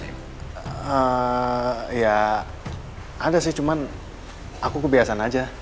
ya ada sih cuman aku kebiasaan aja